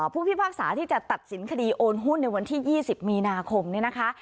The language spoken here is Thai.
พิพากษาที่จะตัดสินคดีโอนหุ้นในวันที่๒๐มีนาคมเนี่ยนะคะ